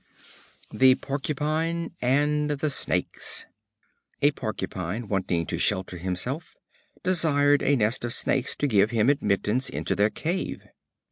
The Porcupine and the Snakes. A Porcupine, wanting to shelter himself, desired a nest of Snakes to give him admittance into their cave.